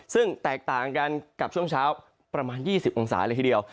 ซึ่งแตกต่างกันกับช่วงเช้าประมาณ๒๐องศาเลยทีเดียว